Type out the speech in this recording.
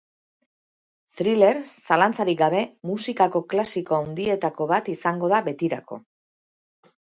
Thriller, zalantzarik gabe, musikako klasiko handietako bat izango da betirako.